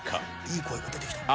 いい声が出てきた。